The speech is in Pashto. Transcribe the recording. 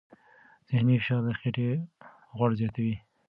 ذهني فشار د خېټې غوړ زیاتوي.